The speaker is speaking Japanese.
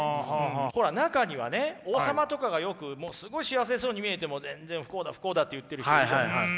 ほら中にはね王様とかがよくすごい幸せそうに見えても全然「不幸だ不幸だ」って言ってる人いるじゃないですか。